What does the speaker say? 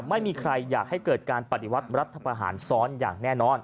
ไม่มีใครอยากให้เกิดการปฏิวัติรัฐประหารซ้อนอย่างแน่นอน